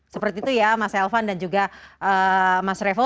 seperti itu ya mas elvan dan juga mas revo